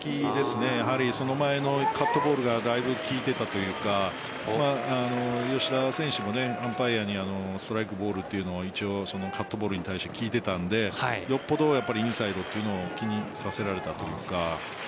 その前のカットボールがだいぶ効いていたというか吉田選手もアンパイアにストライク、ボールというのをカットボールに対して聞いていたのでよっぽどインサイドというのを気にさせられたというか。